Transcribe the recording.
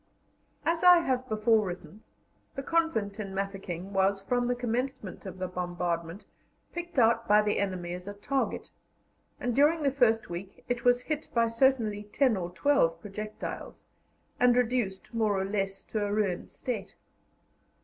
As I have before written, the convent in Mafeking was from the commencement of the bombardment picked out by the enemy as a target, and during the first week it was hit by certainly ten or twelve projectiles, and reduced more or less to a ruined state.